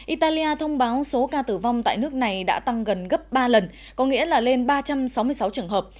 italia thông báo số ca tử vong tại nước này đã tăng gần gấp ba lần có nghĩa là lên ba trăm sáu mươi sáu trường hợp